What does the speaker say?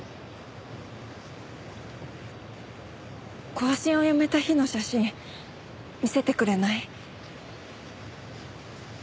更新をやめた日の写真見せてくれない？